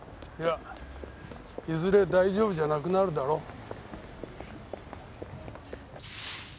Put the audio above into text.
いやいずれ大丈夫じゃなくなるだろう。